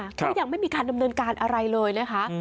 ก็ยังไม่มีการดำเนินการอะไรเลยนะคะ